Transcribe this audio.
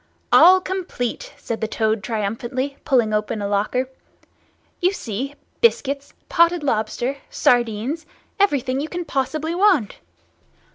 "All complete!" said the Toad triumphantly, pulling open a locker. "You see—biscuits, potted lobster, sardines—everything you can possibly want.